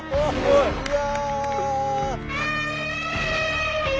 いや。